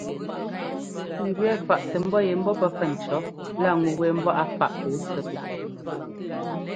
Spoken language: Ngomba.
Ŋ gẅɛɛ faꞌ tɛ ḿbɔ́ yɛ ḿbɔ́ fɛn cɔ̌ lá ŋu wɛ ḿbɔ́ a faꞌ pɔɔ sɛ́ pɔ́.